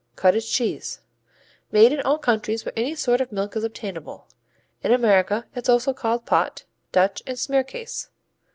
Cottage cheese Made in all countries where any sort of milk is obtainable. In America it's also called pot, Dutch, and smearcase.